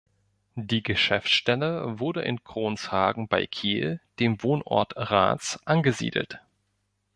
Die Geschäftsstelle wurde in Kronshagen bei Kiel, dem Wohnort Raths, angesiedelt.